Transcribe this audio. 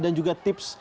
dan juga tips